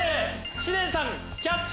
知念さんキャッチ！